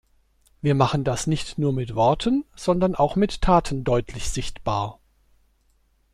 Wir machen das nicht nur mit Worten, sondern auch mit Taten deutlich sichtbar.